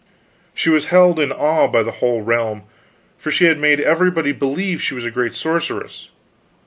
She was held in awe by the whole realm, for she had made everybody believe she was a great sorceress.